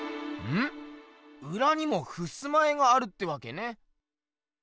うらにもふすま絵があるってわけね？